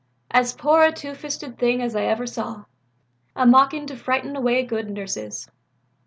As poor a two fisted thing as ever I saw, a mawkin to frighten away good nurses."